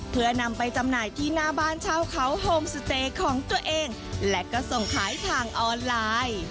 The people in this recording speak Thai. เพื่อนำไปจำหน่ายที่หน้าบ้านเช่าเขาโฮมสเตย์ของตัวเองและก็ส่งขายทางออนไลน์